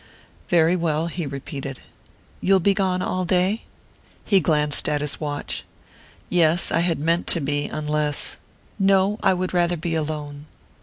"Very well," he repeated. "You'll be gone all day?" He glanced at his watch. "Yes I had meant to be; unless " "No; I would rather be alone.